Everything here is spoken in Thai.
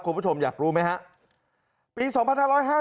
คุณผู้ชมอยากรู้ไหมครับ